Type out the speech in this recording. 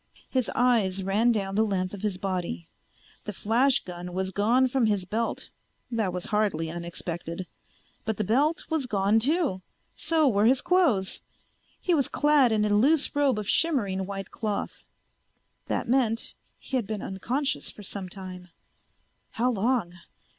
His eyes ran down the length of his body. The flash gun was gone from his belt. That was hardly unexpected. But the belt was gone too. So were his clothes. He was clad in a loose robe of shimmering white cloth. That meant he had been unconscious for some time. How long?